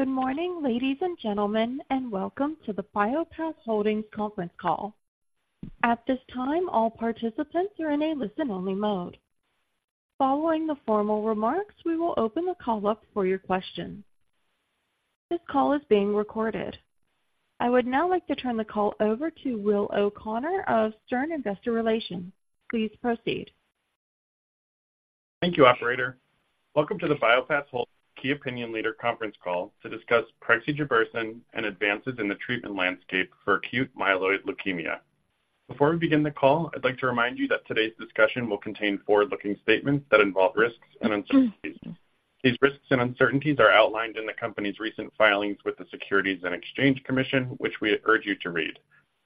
Good morning, ladies and gentlemen, and welcome to the Bio-Path Holdings conference call. At this time, all participants are in a listen-only mode. Following the formal remarks, we will open the call up for your questions. This call is being recorded. I would now like to turn the call over to Will O'Connor of Stern Investor Relations. Please proceed. Thank you, operator. Welcome to the Bio-Path Holdings Key Opinion Leader conference call to discuss prexigebersen and advances in the treatment landscape for acute myeloid leukemia. Before we begin the call, I'd like to remind you that today's discussion will contain forward-looking statements that involve risks and uncertainties. These risks and uncertainties are outlined in the company's recent filings with the Securities and Exchange Commission, which we urge you to read.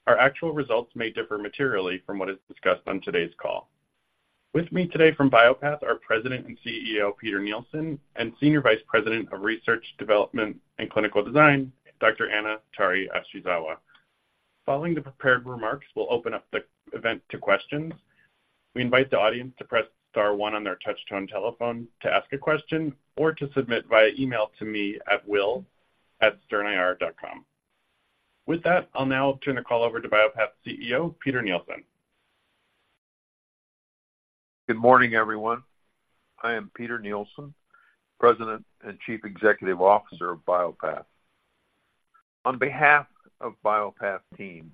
Our actual results may differ materially from what is discussed on today's call. With me today from Bio-Path are President and CEO, Peter Nielsen, and Senior Vice President of Research, Development, and Clinical Design, Dr. Ana Tari Ashizawa. Following the prepared remarks, we'll open up the event to questions. We invite the audience to press star one on their touch-tone telephone to ask a question or to submit via email to me at will@sternir.com. With that, I'll now turn the call over to Bio-Path CEO, Peter Nielsen. Good morning, everyone. I am Peter Nielsen, President and Chief Executive Officer of Bio-Path. On behalf of Bio-Path team,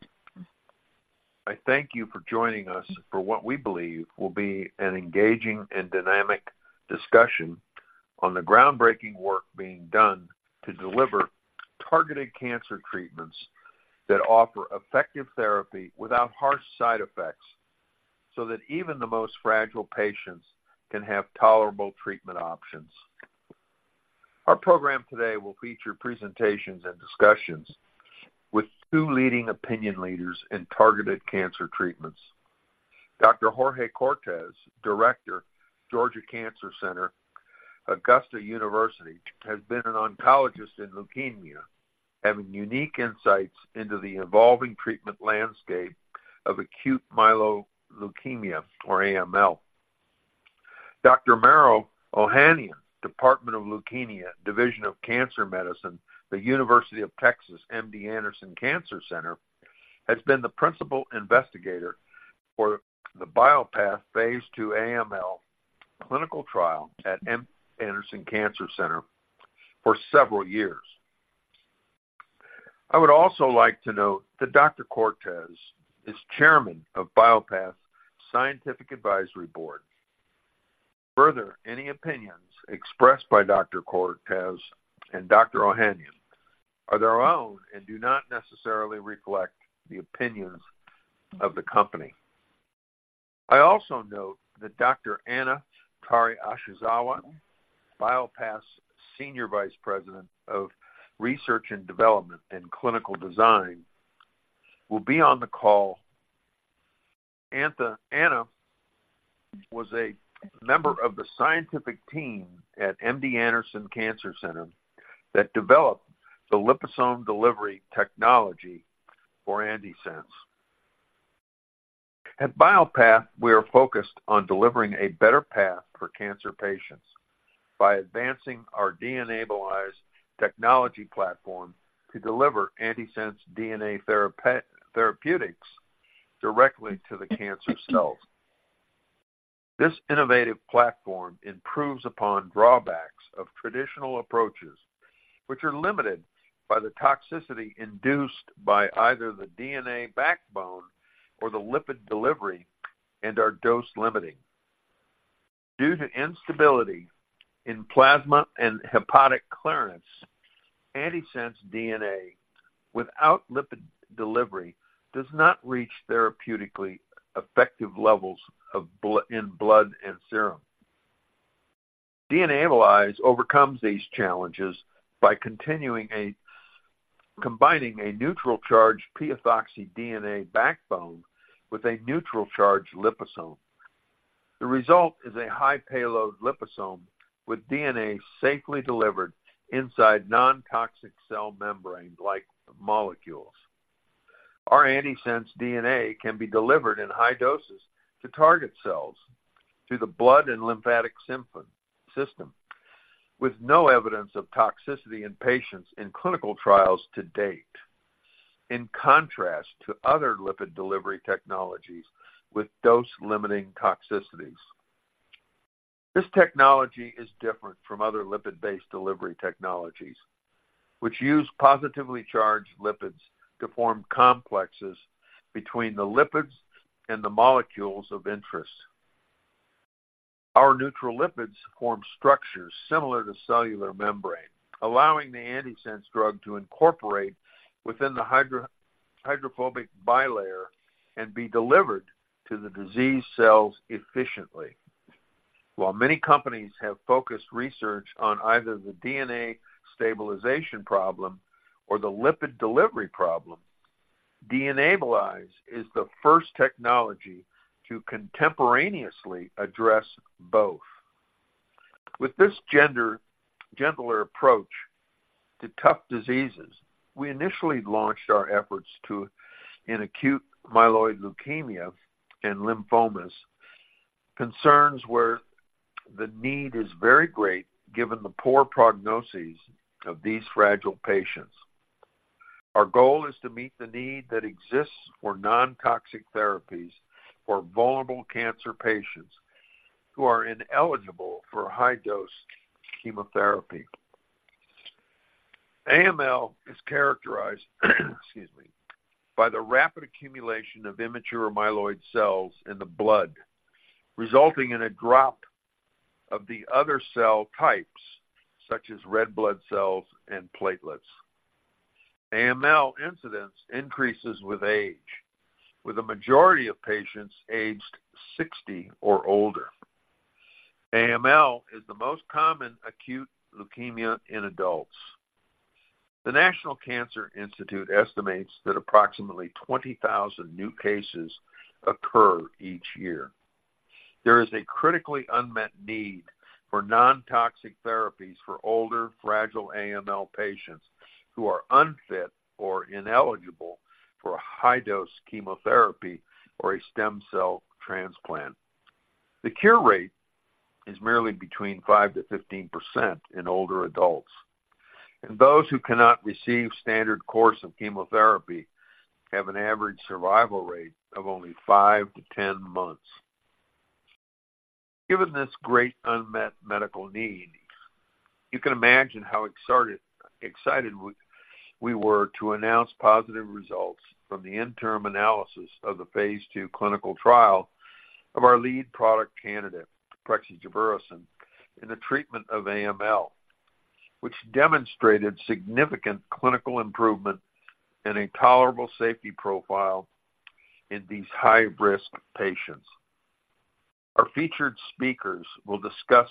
I thank you for joining us for what we believe will be an engaging and dynamic discussion on the groundbreaking work being done to deliver targeted cancer treatments that offer effective therapy without harsh side effects, so that even the most fragile patients can have tolerable treatment options. Our program today will feature presentations and discussions with two leading opinion leaders in targeted cancer treatments. Dr. Jorge Cortes, Director, Georgia Cancer Center, Augusta University, has been an oncologist in leukemia, having unique insights into the evolving treatment landscape of acute myeloid leukemia, or AML. Dr. Maro Ohanian, Department of Leukemia, Division of Cancer Medicine, The University of Texas MD Anderson Cancer Center, has been the principal investigator for the Bio-Path Phase 2 AML clinical trial at MD Anderson Cancer Center for several years. I would also like to note that Dr. Cortes is chairman of Bio-Path's Scientific Advisory Board. Further, any opinions expressed by Dr. Cortes and Dr. Ohanian are their own and do not necessarily reflect the opinions of the company. I also note that Dr. Ana Tari Ashizawa, Bio-Path's Senior Vice President of Research and Development and Clinical Design, will be on the call. Ana was a member of the scientific team at MD Anderson Cancer Center that developed the liposome delivery technology for antisense. At Bio-Path, we are focused on delivering a better path for cancer patients by advancing our DNAbilize technology platform to deliver antisense DNA therapeutics directly to the cancer cells. This innovative platform improves upon drawbacks of traditional approaches, which are limited by the toxicity induced by either the DNA backbone or the lipid delivery, and are dose-limiting. Due to instability in plasma and hepatic clearance, antisense DNA without lipid delivery does not reach therapeutically effective levels in blood and serum. DNAbilize overcomes these challenges by combining a neutral charged P-ethoxy DNA backbone with a neutral charged liposome. The result is a high payload liposome with DNA safely delivered inside non-toxic cell membrane-like molecules. Our antisense DNA can be delivered in high doses to target cells through the blood and lymphatic system, with no evidence of toxicity in patients in clinical trials to date, in contrast to other lipid delivery technologies with dose-limiting toxicities. This technology is different from other lipid-based delivery technologies, which use positively charged lipids to form complexes between the lipids and the molecules of interest. Our neutral lipids form structures similar to cellular membrane, allowing the antisense drug to incorporate within the hydrophobic bilayer and be delivered to the disease cells efficiently. While many companies have focused research on either the DNA stabilization problem or the lipid delivery problem, DNAbilize is the first technology to contemporaneously address both. With this gentler approach to tough diseases, we initially launched our efforts in acute myeloid leukemia and lymphomas... concerns where the need is very great, given the poor prognoses of these fragile patients. Our goal is to meet the need that exists for non-toxic therapies for vulnerable cancer patients who are ineligible for high-dose chemotherapy. AML is characterized, excuse me, by the rapid accumulation of immature myeloid cells in the blood, resulting in a drop of the other cell types, such as red blood cells and platelets. AML incidence increases with age, with a majority of patients aged 60 or older. AML is the most common acute leukemia in adults. The National Cancer Institute estimates that approximately 20,000 new cases occur each year. There is a critically unmet need for non-toxic therapies for older, fragile AML patients who are unfit or ineligible for high-dose chemotherapy or a stem cell transplant. The cure rate is merely between 5% to 15% in older adults, and those who cannot receive standard course of chemotherapy have an average survival rate of only five to 10 months. Given this great unmet medical need, you can imagine how excited we were to announce positive results from the interim analysis of the Phase 2 clinical trial of our lead product candidate, prexigebersen, in the treatment of AML, which demonstrated significant clinical improvement and a tolerable safety profile in these high-risk patients. Our featured speakers will discuss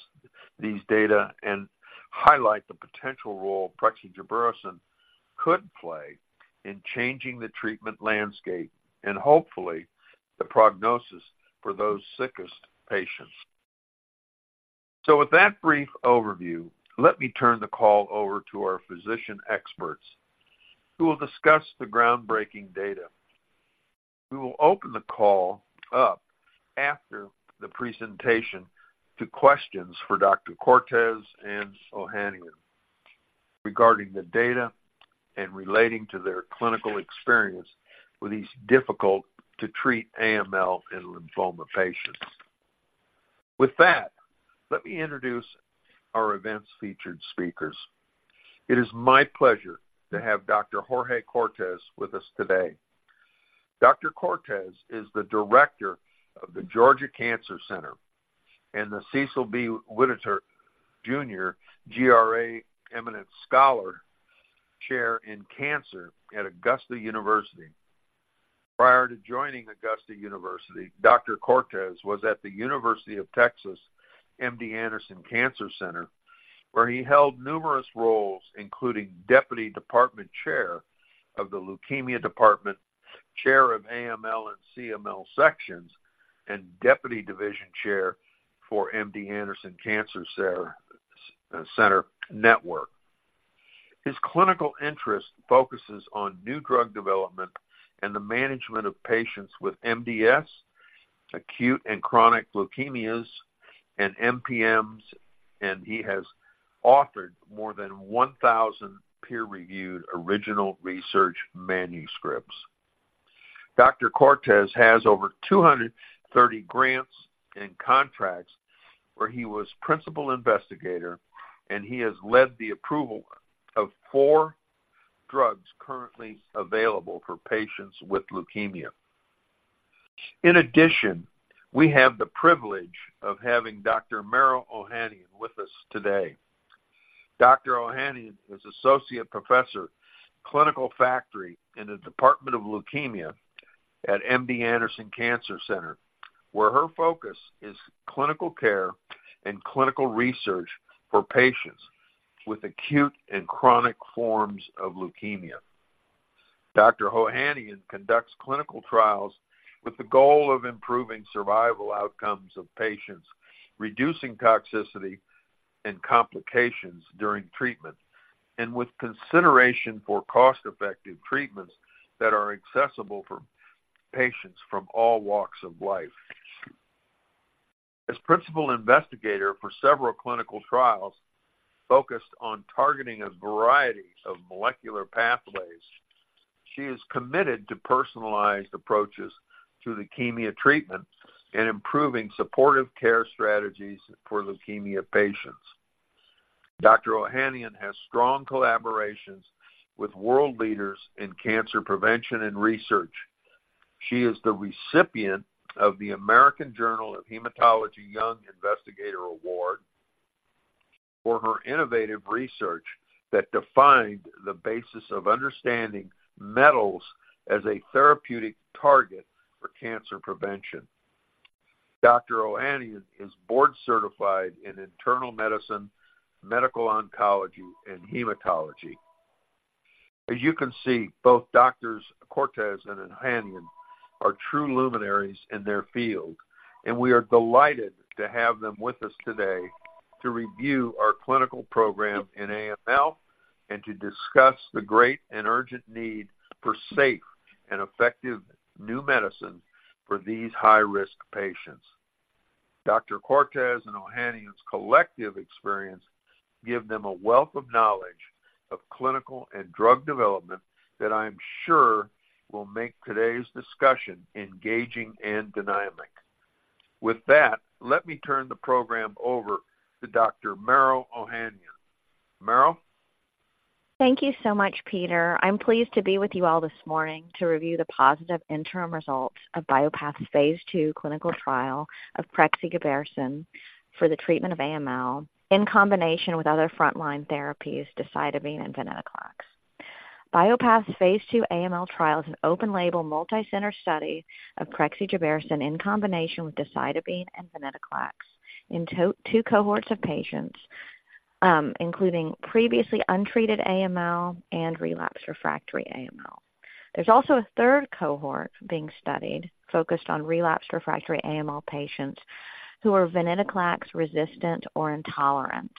these data and highlight the potential role prexigebersen could play in changing the treatment landscape and hopefully the prognosis for those sickest patients. So with that brief overview, let me turn the call over to our physician experts, who will discuss the groundbreaking data. We will open the call up after the presentation to questions for Dr. Cortes and Ohanian regarding the data and relating to their clinical experience with these difficult-to-treat AML and lymphoma patients. With that, let me introduce our event's featured speakers. It is my pleasure to have Dr. Jorge Cortes with us today. Dr. Cortes is the Director of the Georgia Cancer Center and the Cecil F. Whitaker Jr., GRA Eminent Scholar Chair in Cancer at Augusta University. Prior to joining Augusta University, Dr. Cortes was at The University of Texas MD Anderson Cancer Center, where he held numerous roles, including Deputy Department Chair of the Leukemia Department, Chair of AML and CML Sections, and Deputy Division Chair for MD Anderson Cancer Center, Cancer Network. His clinical interest focuses on new drug development and the management of patients with MDS, acute and chronic leukemias, and MPNs, and he has authored more than 1,000 peer-reviewed original research manuscripts. Dr. Cortes has over 230 grants and contracts, where he was principal investigator, and he has led the approval of four drugs currently available for patients with leukemia. In addition, we have the privilege of having Dr. Maro Ohanian with us today. Dr. Ohanian is Associate Professor, Clinical Faculty in the Department of Leukemia at MD Anderson Cancer Center, where her focus is clinical care and clinical research for patients with acute and chronic forms of leukemia. Dr. Ohanian conducts clinical trials with the goal of improving survival outcomes of patients, reducing toxicity and complications during treatment, and with consideration for cost-effective treatments that are accessible for patients from all walks of life. As principal investigator for several clinical trials focused on targeting a variety of molecular pathways, she is committed to personalized approaches to leukemia treatment and improving supportive care strategies for leukemia patients. Dr. Ohanian has strong collaborations with world leaders in cancer prevention and research. She is the recipient of the American Journal of Hematology Young Investigator Award for her innovative research that defined the basis of understanding metals as a therapeutic target for cancer prevention. Dr. Ohanian is board-certified in internal medicine, medical oncology, and hematology. As you can see, both Doctors Cortes and Ohanian are true luminaries in their field, and we are delighted to have them with us today to review our clinical program in AML-... and to discuss the great and urgent need for safe and effective new medicines for these high-risk patients. Dr. Cortes and Ohanian's collective experience give them a wealth of knowledge of clinical and drug development that I am sure will make today's discussion engaging and dynamic. With that, let me turn the program over to Dr. Maro Ohanian. Maro? Thank you so much, Peter. I'm pleased to be with you all this morning to review the positive interim results of Bio-Path's Phase 2 clinical trial of prexigebersen for the treatment of AML in combination with other frontline therapies, decitabine and venetoclax. Bio-Path's Phase 2 AML trial is an open label, multicenter study of prexigebersen in combination with decitabine and venetoclax in two cohorts of patients, including previously untreated AML and relapsed refractory AML. There's also a third cohort being studied, focused on relapsed refractory AML patients who are venetoclax resistant or intolerant.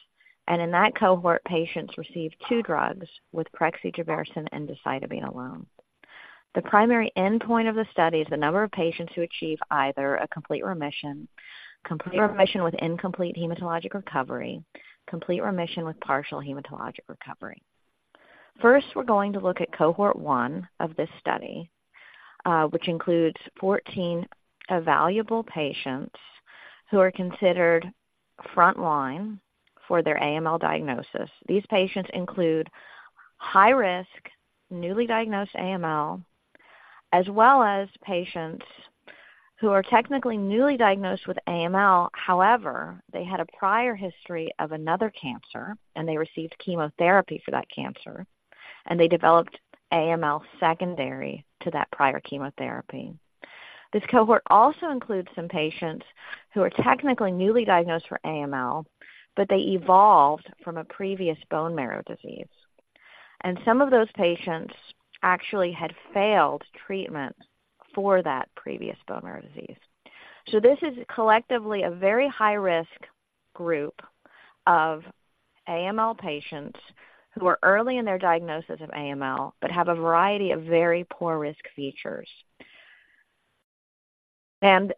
And in that cohort, patients received two drugs with prexigebersen and decitabine alone. The primary endpoint of the study is the number of patients who achieve either a complete remission, complete remission with incomplete hematologic recovery, complete remission with partial hematologic recovery. First, we're going to look at cohort I of this study, which includes 14 evaluable patients who are considered frontline for their AML diagnosis. These patients include high-risk, newly diagnosed AML, as well as patients who are technically newly diagnosed with AML. However, they had a prior history of another cancer, and they received chemotherapy for that cancer, and they developed AML secondary to that prior chemotherapy. This cohort also includes some patients who are technically newly diagnosed for AML, but they evolved from a previous bone marrow disease, and some of those patients actually had failed treatment for that previous bone marrow disease. So this is collectively a very high-risk group of AML patients who are early in their diagnosis of AML, but have a variety of very poor risk features. In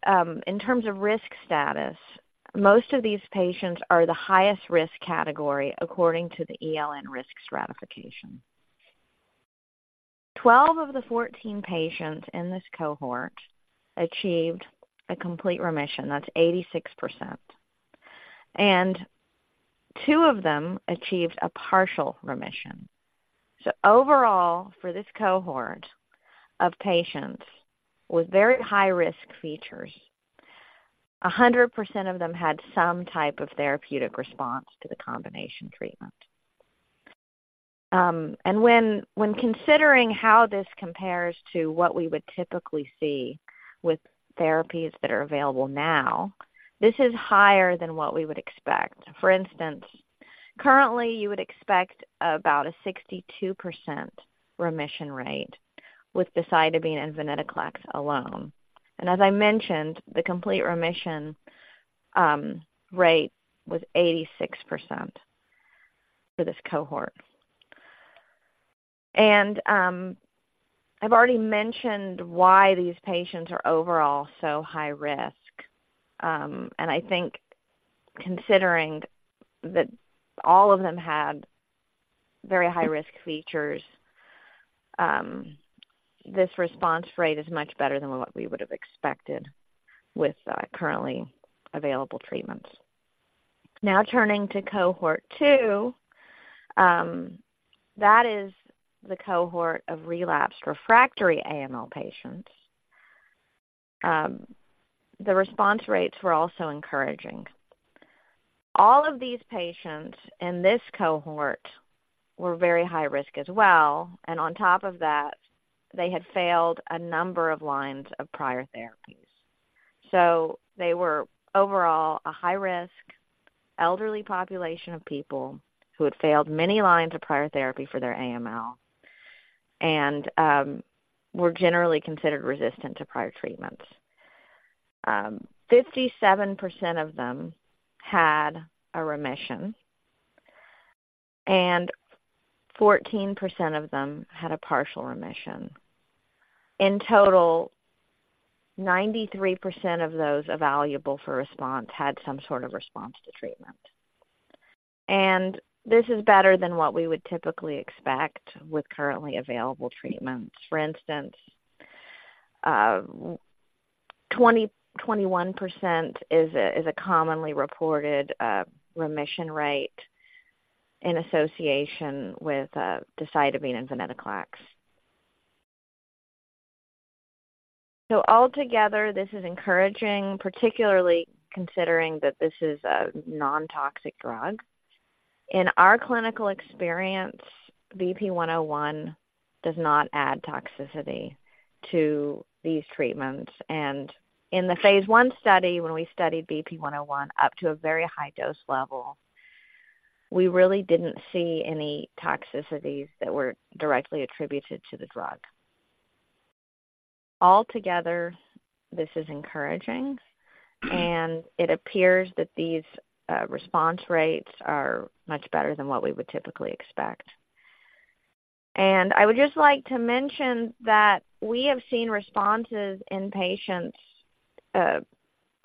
terms of risk status, most of these patients are the highest risk category according to the ELN risk stratification. Twelve of the 14 patients in this cohort achieved a complete remission. That's 86%, and two of them achieved a partial remission. So overall, for this cohort of patients with very high-risk features, 100% of them had some type of therapeutic response to the combination treatment. And when considering how this compares to what we would typically see with therapies that are available now, this is higher than what we would expect. For instance, currently, you would expect about a 62% remission rate with decitabine and venetoclax alone. And as I mentioned, the complete remission rate was 86% for this cohort. I've already mentioned why these patients are overall so high risk. And I think considering that all of them had very high-risk features, this response rate is much better than what we would have expected with, currently available treatments. Now, turning to cohort two, that is the cohort of relapsed refractory AML patients. The response rates were also encouraging. All of these patients in this cohort were very high risk as well, and on top of that, they had failed a number of lines of prior therapies. So they were overall a high-risk, elderly population of people who had failed many lines of prior therapy for their AML and, were generally considered resistant to prior treatments. 57% of them had a remission, and 14% of them had a partial remission. In total, 93% of those evaluable for response had some sort of response to treatment. This is better than what we would typically expect with currently available treatments. For instance, 21% is a commonly reported remission rate in association with decitabine and venetoclax. So altogether, this is encouraging, particularly considering that this is a nontoxic drug. In our clinical experience, BP1001 does not add toxicity to these treatments, and in the Phase 1 study, when we studied BP1001 up to a very high dose level, we really didn't see any toxicities that were directly attributed to the drug. Altogether, this is encouraging, and it appears that these response rates are much better than what we would typically expect. And I would just like to mention that we have seen responses in patients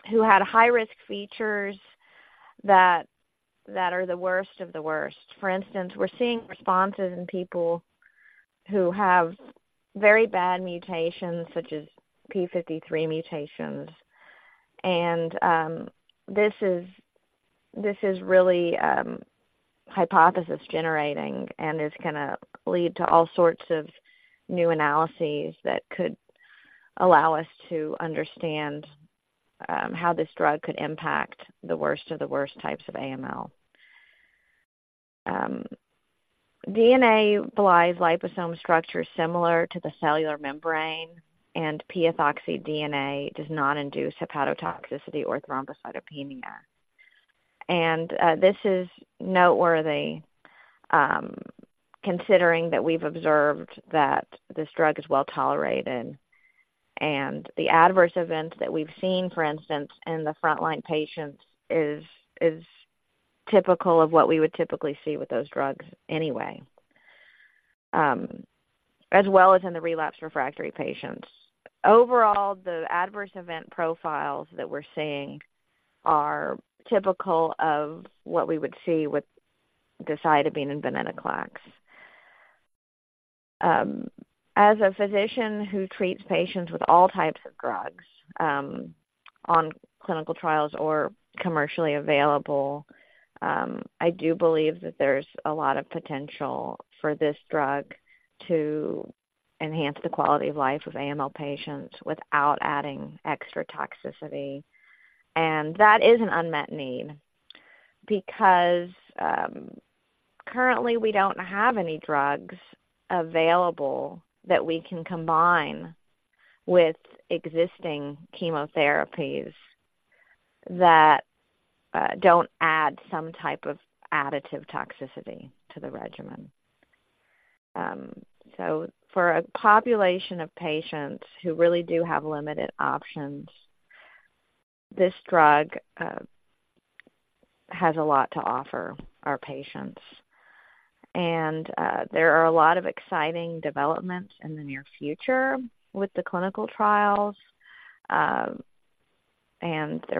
who had high-risk features that are the worst of the worst. For instance, we're seeing responses in people who have very bad mutations, such as p53 mutations. And this is really hypothesis-generating and is gonna lead to all sorts of new analyses that could allow us to understand how this drug could impact the worst of the worst types of AML. DNAbilize liposome structure similar to the cellular membrane, and P-ethoxy DNA does not induce hepatotoxicity or thrombocytopenia. And this is noteworthy, considering that we've observed that this drug is well tolerated. And the adverse events that we've seen, for instance, in the frontline patients is typical of what we would typically see with those drugs anyway. As well as in the relapse refractory patients. Overall, the adverse event profiles that we're seeing are typical of what we would see with decitabine and venetoclax. As a physician who treats patients with all types of drugs, on clinical trials or commercially available, I do believe that there's a lot of potential for this drug to enhance the quality of life of AML patients without adding extra toxicity. That is an unmet need because currently we don't have any drugs available that we can combine with existing chemotherapies that don't add some type of additive toxicity to the regimen. For a population of patients who really do have limited options, this drug has a lot to offer our patients. There are a lot of exciting developments in the near future with the clinical trials. There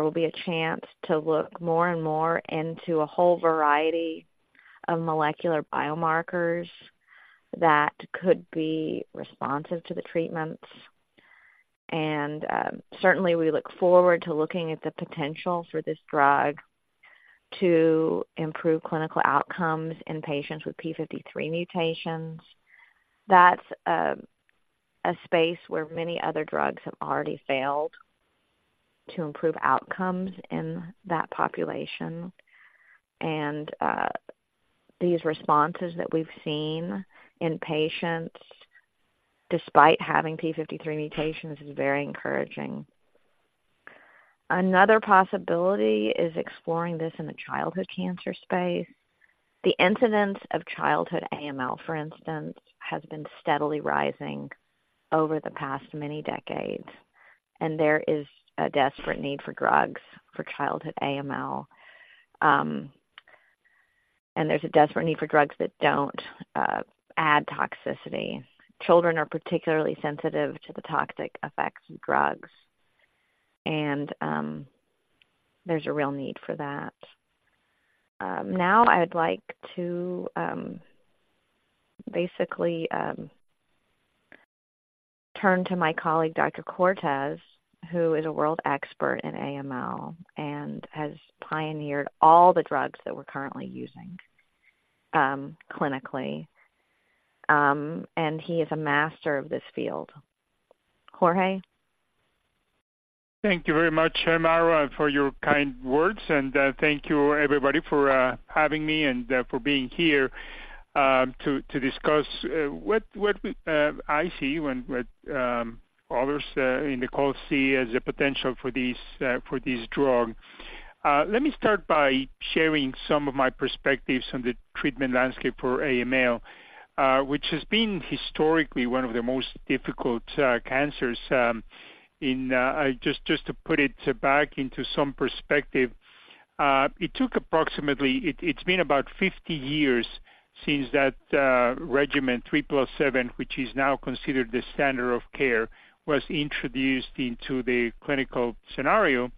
will be a chance to look more and more into a whole variety of molecular biomarkers that could be responsive to the treatments. And, certainly we look forward to looking at the potential for this drug to improve clinical outcomes in patients with p53 mutations. That's, a space where many other drugs have already failed to improve outcomes in that population. And, these responses that we've seen in patients, despite having p53 mutations, is very encouraging. Another possibility is exploring this in the childhood cancer space. The incidence of childhood AML, for instance, has been steadily rising over the past many decades, and there is a desperate need for drugs for childhood AML. And there's a desperate need for drugs that don't, add toxicity. Children are particularly sensitive to the toxic effects of drugs, and, there's a real need for that. Now, I'd like to, basically, turn to my colleague. Dr. Cortes, who is a world expert in AML and has pioneered all the drugs that we're currently using, clinically. And he is a master of this field. Jorge? Thank you very much, Maro, for your kind words, and thank you, everybody, for having me and for being here to discuss what I see, what others in the call see as a potential for this drug. Let me start by sharing some of my perspectives on the treatment landscape for AML, which has been historically one of the most difficult cancers in... Just to put it back into some perspective, it's been about 50 years since that regimen three plus seven, which is now considered the standard of care, was introduced into the clinical scenario,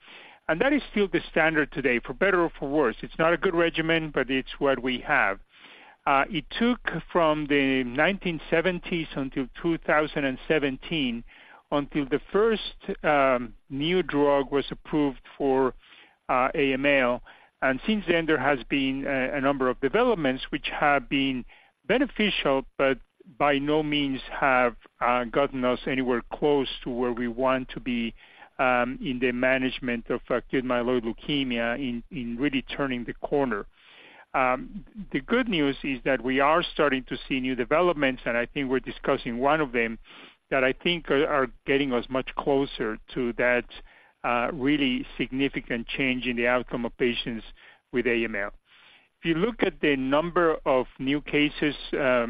and that is still the standard today, for better or for worse. It's not a good regimen, but it's what we have. It took from the 1970s until 2017 until the first new drug was approved for AML. And since then, there has been a number of developments which have been beneficial, but by no means have gotten us anywhere close to where we want to be in the management of acute myeloid leukemia in really turning the corner. The good news is that we are starting to see new developments, and I think we're discussing one of them that I think are getting us much closer to that really significant change in the outcome of patients with AML.... If you look at the number of new cases, per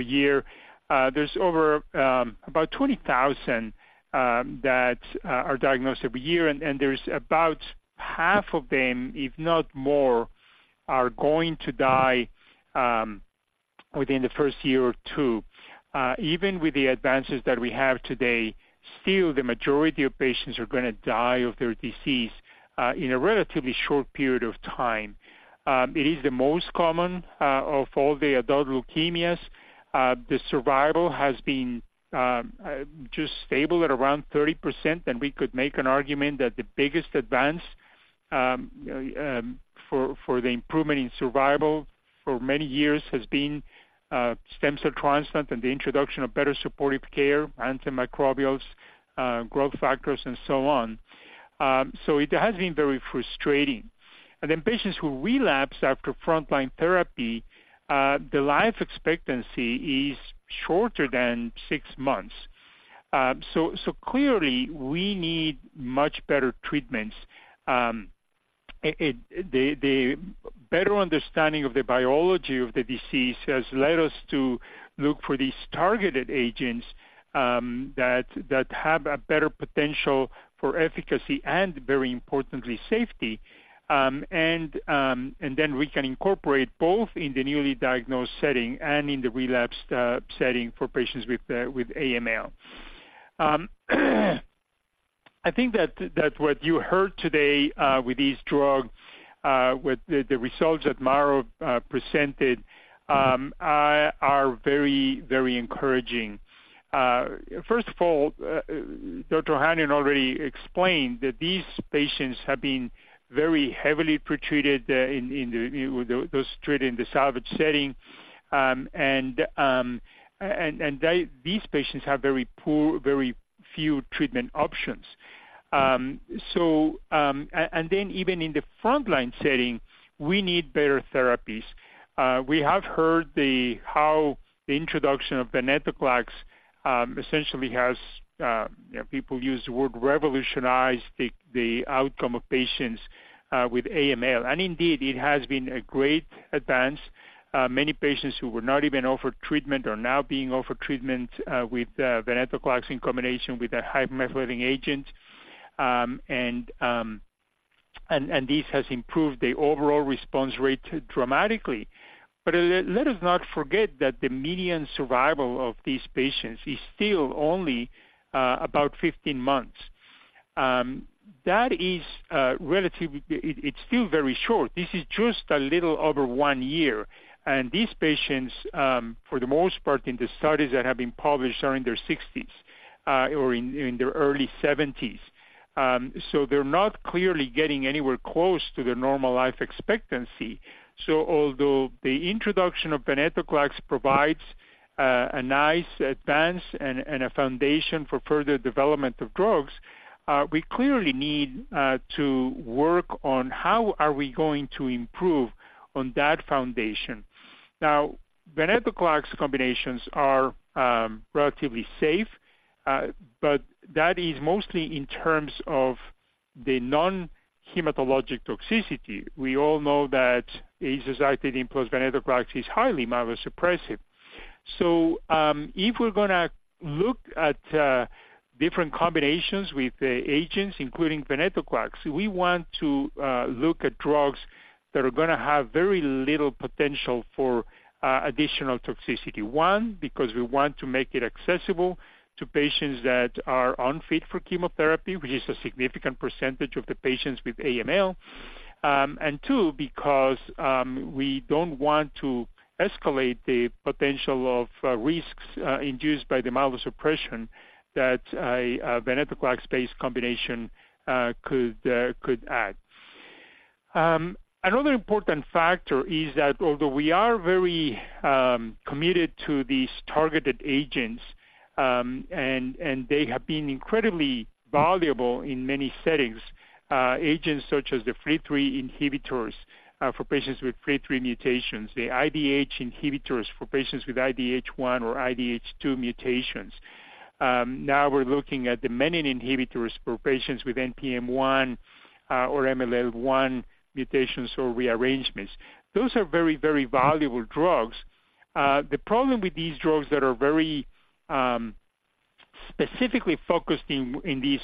year, there's over about 20,000 that are diagnosed every year, and there's about half of them, if not more, are going to die within the first year or two. Even with the advances that we have today, still, the majority of patients are gonna die of their disease in a relatively short period of time. It is the most common of all the adult leukemias. The survival has been just stable at around 30%, and we could make an argument that the biggest advance for the improvement in survival for many years has been stem cell transplant and the introduction of better supportive care, antimicrobials, growth factors, and so on. It has been very frustrating. Patients who relapse after frontline therapy, the life expectancy is shorter than six months. Clearly we need much better treatments. The better understanding of the biology of the disease has led us to look for these targeted agents that have a better potential for efficacy and, very importantly, safety. We can incorporate both in the newly diagnosed setting and in the relapsed setting for patients with AML. I think that what you heard today with these drugs, with the results that Mauro presented, are very, very encouraging. First of all, Dr. Ohanian already explained that these patients have been very heavily pretreated, with those treated in the salvage setting. These patients have very poor, very few treatment options. Even in the frontline setting, we need better therapies. We have heard how the introduction of venetoclax essentially has, you know, people use the word revolutionized the outcome of patients with AML. And indeed, it has been a great advance. Many patients who were not even offered treatment are now being offered treatment with venetoclax in combination with a hypomethylating agent. And this has improved the overall response rate dramatically. But let us not forget that the median survival of these patients is still only about 15 months. That is, relatively, it, it's still very short. This is just a little over one year, and these patients, for the most part, in the studies that have been published, are in their 1960s, or in their early 1970s. So they're not clearly getting anywhere close to their normal life expectancy. So although the introduction of venetoclax provides, a nice advance and, and a foundation for further development of drugs, we clearly need, to work on how are we going to improve on that foundation. Now, venetoclax combinations are, relatively safe, but that is mostly in terms of the non-hematologic toxicity. We all know that azacitidine plus venetoclax is highly myelosuppressive. So, if we're gonna look at, different combinations with the agents, including venetoclax, we want to, look at drugs that are gonna have very little potential for, additional toxicity. One, because we want to make it accessible to patients that are unfit for chemotherapy, which is a significant percentage of the patients with AML. And two, because we don't want to escalate the potential of risks induced by the myelosuppression that a venetoclax-based combination could add. Another important factor is that although we are very committed to these targeted agents, and they have been incredibly valuable in many settings, agents such as the FLT3 inhibitors for patients with FLT3 mutations, the IDH inhibitors for patients with IDH1 or IDH2 mutations. Now we're looking at the menin inhibitors for patients with NPM1 or MLL1 mutations or rearrangements. Those are very, very valuable drugs. The problem with these drugs that are very specifically focused in these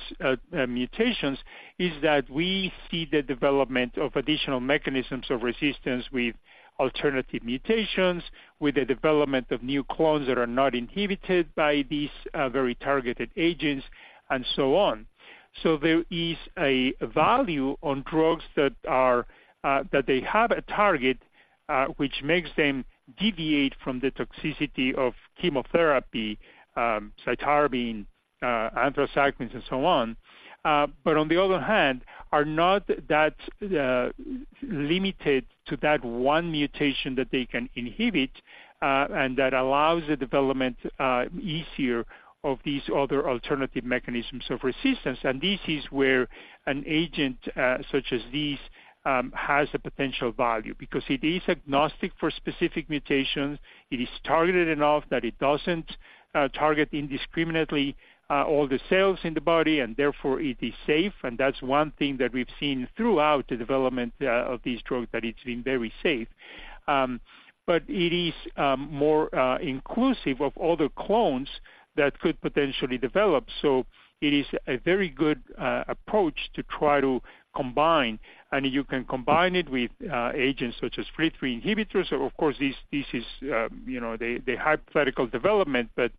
mutations is that we see the development of additional mechanisms of resistance with alternative mutations, with the development of new clones that are not inhibited by these very targeted agents, and so on. So there is a value on drugs that are that they have a target which makes them deviate from the toxicity of chemotherapy cytarabine anthracyclines, and so on.... But on the other hand, are not that limited to that one mutation that they can inhibit and that allows the development easier of these other alternative mechanisms of resistance. And this is where an agent such as this has a potential value because it is agnostic for specific mutations. It is targeted enough that it doesn't target indiscriminately all the cells in the body, and therefore it is safe. And that's one thing that we've seen throughout the development of this drug, that it's been very safe. But it is more inclusive of all the clones that could potentially develop. So it is a very good approach to try to combine, and you can combine it with agents such as FLT3 inhibitors. Or, of course, this, this is you know, the, the hypothetical development. But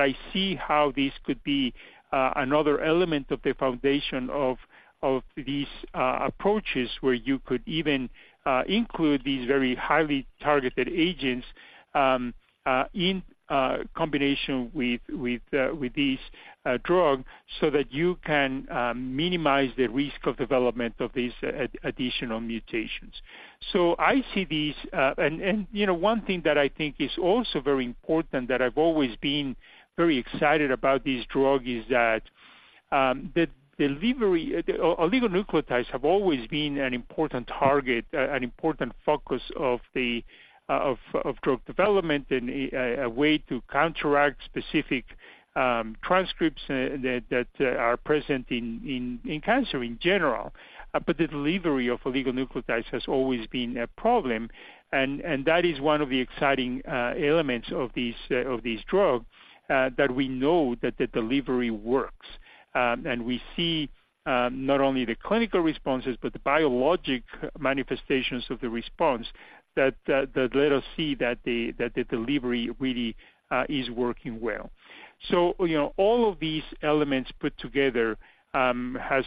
I see how this could be another element of the foundation of these approaches, where you could even include these very highly targeted agents in combination with this drug, so that you can minimize the risk of development of these additional mutations. So I see these, and you know, one thing that I think is also very important, that I've always been very excited about this drug, is that the delivery. Oligonucleotides have always been an important target, an important focus of the drug development and a way to counteract specific transcripts that are present in cancer in general. But the delivery of oligonucleotides has always been a problem, and that is one of the exciting elements of this drug that we know that the delivery works. And we see not only the clinical responses, but the biologic manifestations of the response that let us see that the delivery really is working well. So, you know, all of these elements put together has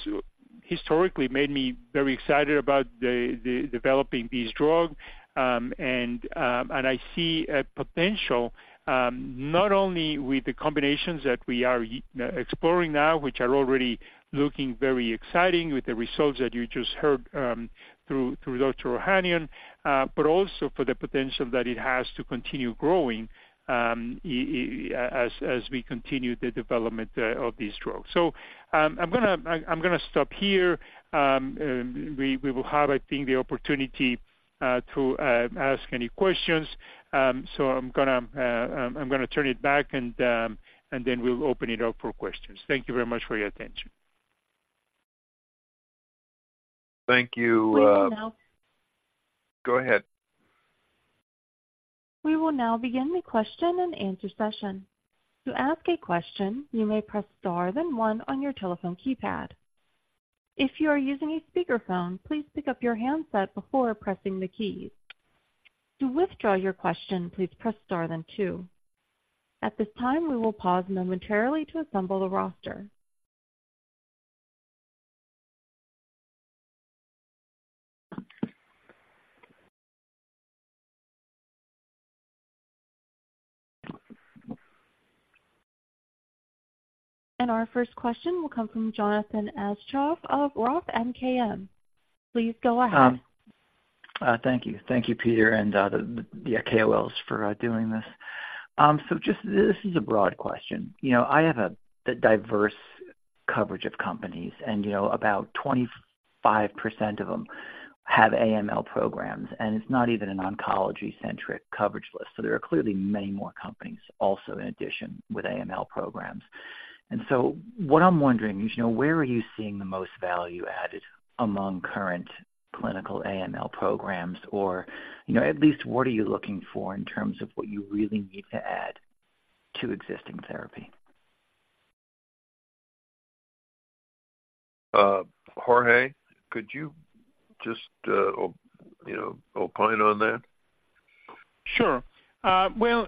historically made me very excited about the developing this drug. And I see a potential not only with the combinations that we are exploring now, which are already looking very exciting with the results that you just heard through Dr. Ohanian, but also for the potential that it has to continue growing, as we continue the development of this drug. So, I'm gonna stop here. We will have, I think, the opportunity to ask any questions. So I'm gonna turn it back, and then we'll open it up for questions. Thank you very much for your attention. Thank you. We will now- Go ahead. We will now begin the question and answer session. To ask a question, you may press star, then one on your telephone keypad. If you are using a speakerphone, please pick up your handset before pressing the keys. To withdraw your question, please press star, then two. At this time, we will pause momentarily to assemble the roster. Our first question will come from Jonathan Aschoff of Roth MKM. Please go ahead. Thank you. Thank you, Peter, and the KOLs for doing this. So just, this is a broad question. You know, I have the diverse coverage of companies, and, you know, about 25% of them have AML programs, and it's not even an oncology-centric coverage list. So there are clearly many more companies also in addition, with AML programs. And so what I'm wondering is, you know, where are you seeing the most value added among current clinical AML programs? Or, you know, at least what are you looking for in terms of what you really need to add to existing therapy? Jorge, could you just, you know, opine on that? Sure. Well,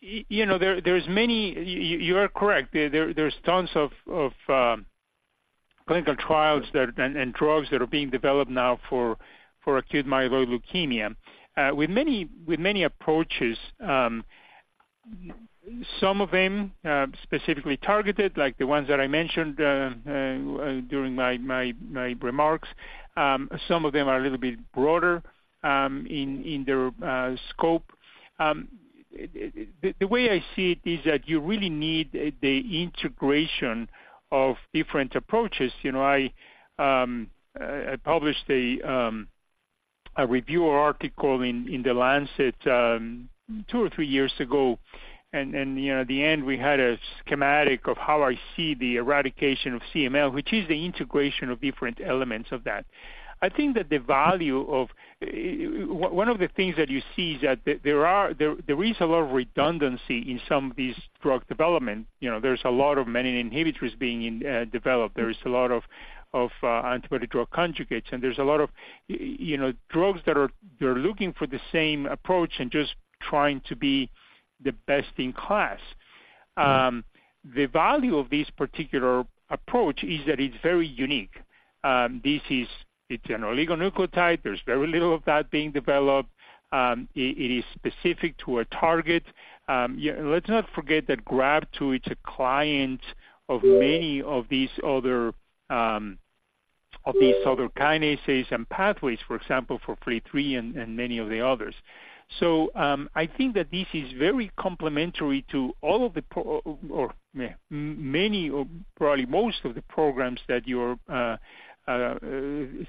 you know, there, there's many. You are correct. There, there's tons of clinical trials that and drugs that are being developed now for acute myeloid leukemia with many approaches. Some of them specifically targeted, like the ones that I mentioned during my remarks. Some of them are a little bit broader in their scope. The way I see it is that you really need the integration of different approaches. You know, I published a review article in The Lancet two or three years ago, and you know, at the end we had a schematic of how I see the eradication of CML, which is the integration of different elements of that. I think that the value of one of the things that you see is that there is a lot of redundancy in some of these drug development. You know, there's a lot of many inhibitors being developed. There is a lot of antibody drug conjugates, and there's a lot of, you know, drugs that are- they're looking for the same approach and just trying to be the best in class. The value of this particular approach is that it's very unique. This is, it's an oligonucleotide. There's very little of that being developed. It is specific to a target. Yeah, let's not forget that GRB2 is a client of many of these other kinases and pathways, for example, for FLT3 and many of the others. So, I think that this is very complementary to all of the, or yeah, many or probably most of the programs that you're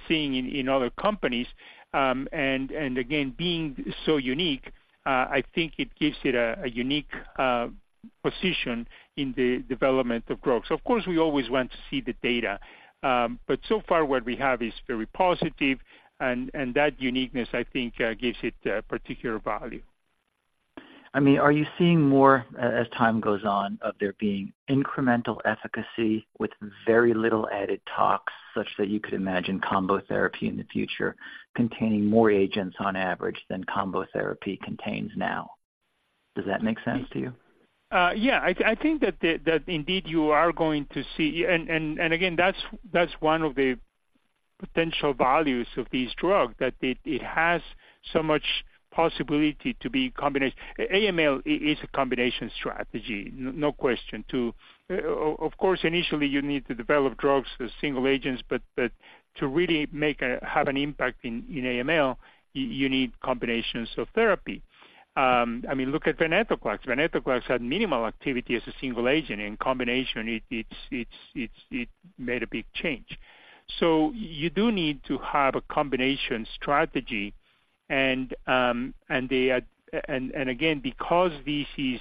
seeing in other companies. And again, being so unique, I think it gives it a unique position in the development of drugs. Of course, we always want to see the data, but so far what we have is very positive, and that uniqueness, I think, gives it particular value. I mean, are you seeing more, as time goes on, of there being incremental efficacy with very little added tox, such that you could imagine combo therapy in the future containing more agents on average than combo therapy contains now? Does that make sense to you? Yeah, I think that indeed, you are going to see... And again, that's one of the potential values of this drug, that it has so much possibility to be combination. AML is a combination strategy, no question to... Of course, initially you need to develop drugs as single agents, but to really have an impact in AML, you need combinations of therapy. I mean, look at venetoclax. Venetoclax had minimal activity as a single agent. In combination, it made a big change. So you do need to have a combination strategy, and again, because this is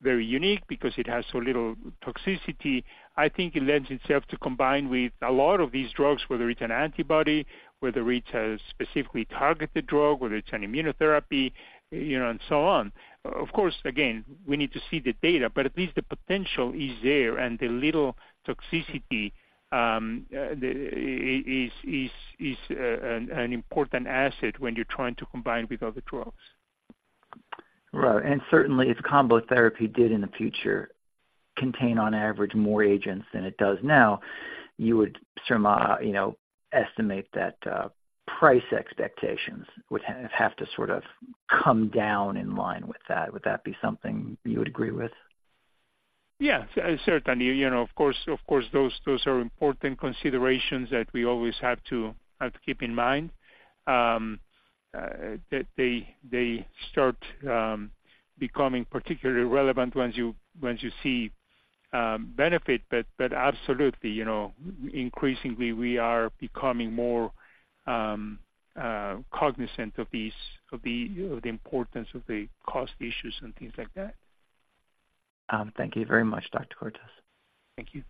very unique, because it has so little toxicity, I think it lends itself to combine with a lot of these drugs, whether it's an antibody, whether it's a specifically targeted drug, whether it's an immunotherapy, you know, and so on. Of course, again, we need to see the data, but at least the potential is there, and the little toxicity is an important asset when you're trying to combine with other drugs. Right. And certainly if combo therapy did in the future contain, on average, more agents than it does now, you would surmise, you know, estimate that price expectations would have to sort of come down in line with that. Would that be something you would agree with? Yeah, certainly. You know, of course, of course, those, those are important considerations that we always have to, have to keep in mind. They, they start becoming particularly relevant once you, once you see benefit. But, but absolutely, you know, increasingly we are becoming more cognizant of these, of the, of the importance of the cost issues and things like that. Thank you very much, Dr. Cortes. Thank you.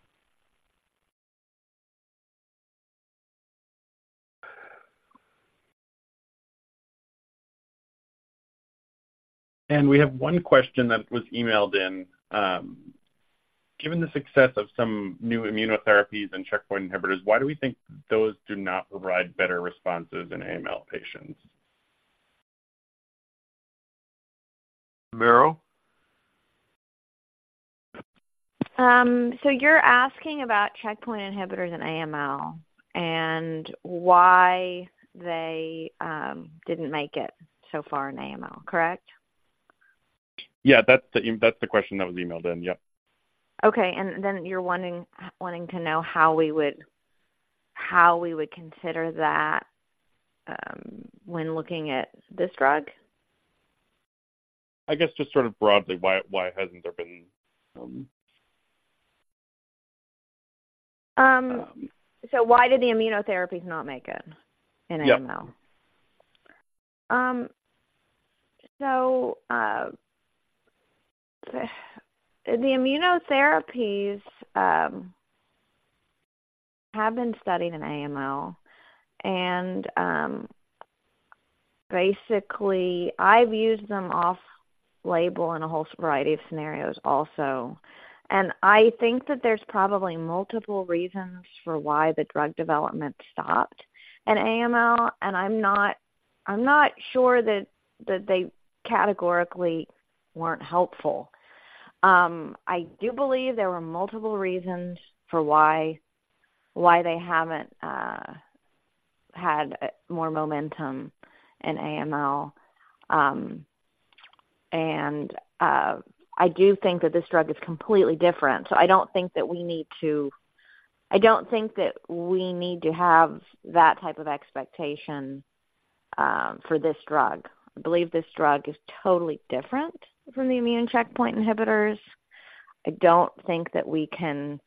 We have one question that was emailed in. Given the success of some new immunotherapies and checkpoint inhibitors, why do we think those do not provide better responses in AML patients? Maro? So you're asking about checkpoint inhibitors in AML and why they didn't make it so far in AML, correct? Yeah, that's the, that's the question that was emailed in. Yep. Okay, and then you're wondering, wanting to know how we would consider that, when looking at this drug? I guess just sort of broadly, why, why hasn't there been? So why did the immunotherapies not make it in AML? Yep. So, the immunotherapies have been studied in AML and, basically I've used them off label in a whole variety of scenarios also. And I think that there's probably multiple reasons for why the drug development stopped in AML, and I'm not, I'm not sure that, that they categorically weren't helpful. I do believe there were multiple reasons for why, why they haven't had more momentum in AML. And, I do think that this drug is completely different, so I don't think that we need to... I don't think that we need to have that type of expectation, for this drug. I believe this drug is totally different from the immune checkpoint inhibitors. I don't think that we can,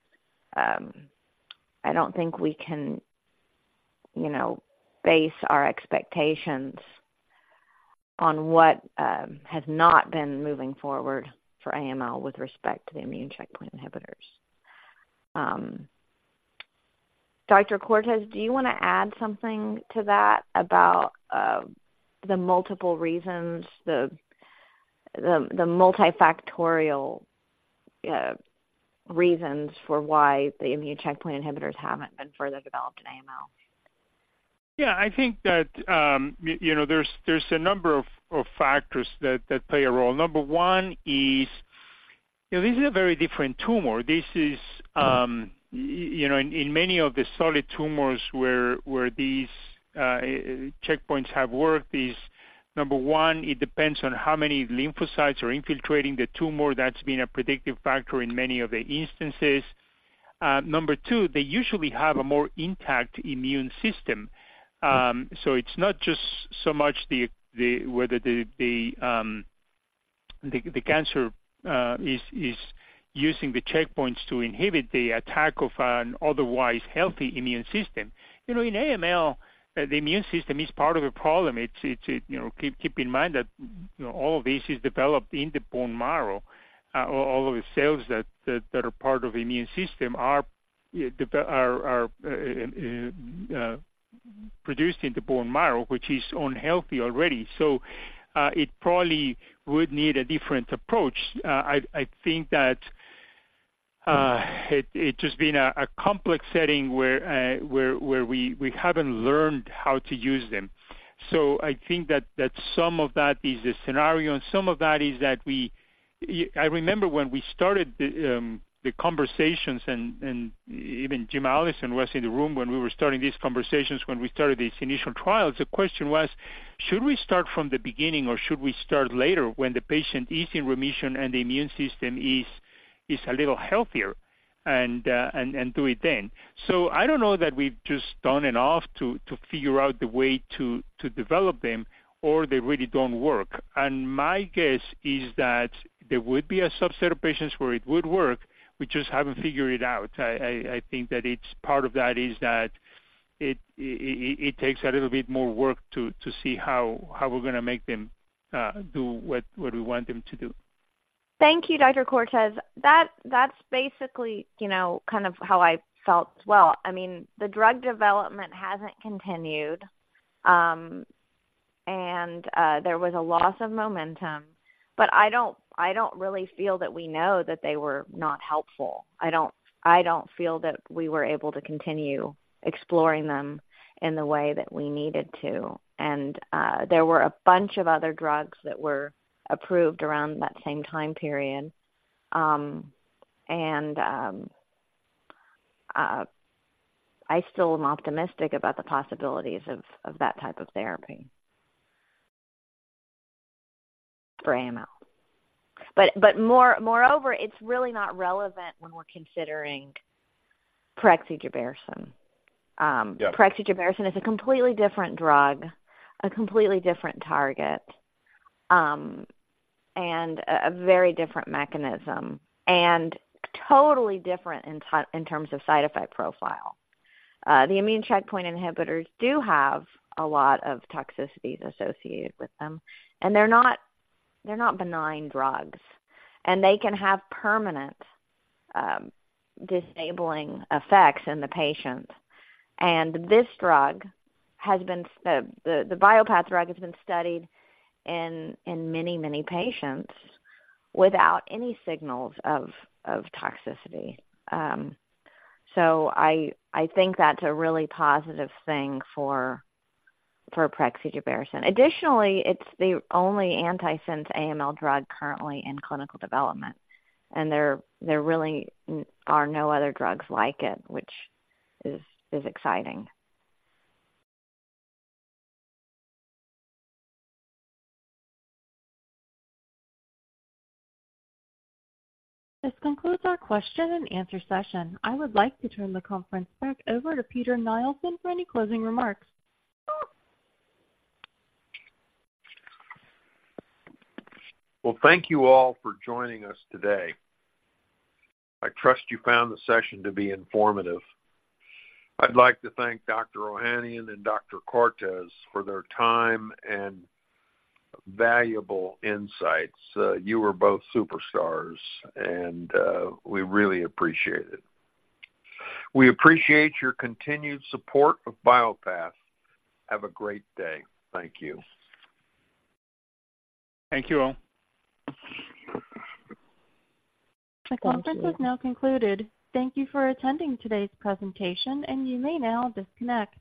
you know, base our expectations on what has not been moving forward for AML with respect to the immune checkpoint inhibitors. Dr. Cortes, do you want to add something to that about the multiple reasons, the multifactorial reasons for why the immune checkpoint inhibitors haven't been further developed in AML? ... Yeah, I think that, you know, there's a number of factors that play a role. Number one is, you know, this is a very different tumor. This is, you know, in many of the solid tumors where these checkpoints have worked, is number one, it depends on how many lymphocytes are infiltrating the tumor. That's been a predictive factor in many of the instances. Number two, they usually have a more intact immune system. So it's not just so much the whether the cancer is using the checkpoints to inhibit the attack of an otherwise healthy immune system. You know, in AML, the immune system is part of the problem. It's, you know, keep in mind that, you know, all of this is developed in the bone marrow. All of the cells that are part of the immune system are produced in the bone marrow, which is unhealthy already. So, it probably would need a different approach. I think that it's just been a complex setting where we haven't learned how to use them. So I think that some of that is the scenario, and some of that is that we... I remember when we started the conversations and even Jim Allison was in the room when we were starting these conversations, when we started these initial trials, the question was, should we start from the beginning, or should we start later when the patient is in remission and the immune system is a little healthier, and do it then? I don't know that we've just done enough to figure out the way to develop them, or they really don't work. My guess is that there would be a subset of patients where it would work. We just haven't figured it out. I think that it's part of that is that it takes a little bit more work to see how we're gonna make them do what we want them to do. Thank you, Dr. Cortes. That's basically, you know, kind of how I felt as well. I mean, the drug development hasn't continued, and there was a loss of momentum, but I don't really feel that we know that they were not helpful. I don't feel that we were able to continue exploring them in the way that we needed to. And there were a bunch of other drugs that were approved around that same time period. I still am optimistic about the possibilities of that type of therapy for AML. But moreover, it's really not relevant when we're considering prexigebersen. Yeah. Prexigebersen is a completely different drug, a completely different target, and a very different mechanism and totally different in terms of side effect profile. The immune checkpoint inhibitors do have a lot of toxicities associated with them, and they're not benign drugs, and they can have permanent disabling effects in the patients. And this drug has been, the Bio-Path drug, has been studied in many, many patients without any signals of toxicity. So I think that's a really positive thing for prexigebersen. Additionally, it's the only antisense AML drug currently in clinical development, and there really are no other drugs like it, which is exciting. This concludes our question and answer session. I would like to turn the conference back over to Peter Nielsen for any closing remarks. Well, thank you all for joining us today. I trust you found the session to be informative. I'd like to thank Dr. Ohanian and Dr. Cortes for their time and valuable insights. You were both superstars, and we really appreciate it. We appreciate your continued support of Bio-Path. Have a great day. Thank you. Thank you all. The conference is now concluded. Thank you for attending today's presentation, and you may now disconnect.